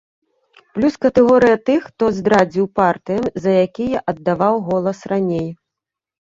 Плюс катэгорыя тых, хто здрадзіў партыям, за якія аддаваў голас раней.